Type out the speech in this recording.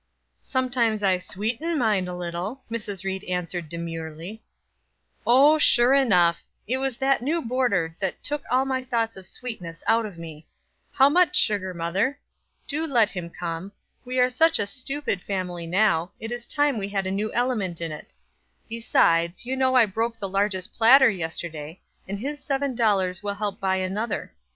"Sometimes I sweeten mine a little," Mrs. Ried answered demurely. "Oh, sure enough; it was that new boarder that took all thoughts of sweetness out of me. How much sugar, mother? Do let him come. We are such a stupid family now, it is time we had a new element in it; besides, you know I broke the largest platter yesterday, and his seven dollars will help buy another.